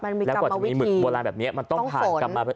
มันมีกลับมาวิธีมันต้องผ่านกลับมา